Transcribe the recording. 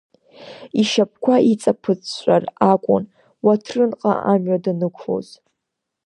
Ишьапқәа иҵаԥыҵәҵәар акәын Уаҭрынҟа амҩа данықәлоз!